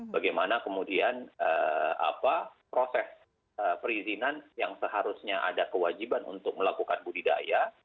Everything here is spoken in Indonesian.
bagaimana kemudian proses perizinan yang seharusnya ada kewajiban untuk melakukan budidaya